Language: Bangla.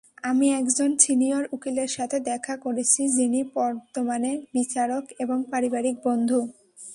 আমি একজন সিনিয়র উকিলের সাথে দেখা করেছি, যিনি বর্তমানে বিচারক এবং পারিবারিক বন্ধু।